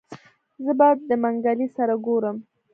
زه به د منګلي سره ګورم.